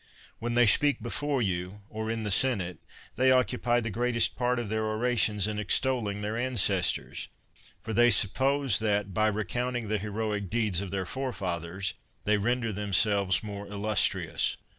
When they speak before you, or in the senate, 45 THE WORLD'S FAMOUS ORATIONS they occupy the greatest part of their orations in extolling their ancestors; for they suppose that, by recounting the heroic deeds of their forefathers, they render themselves more illus trious.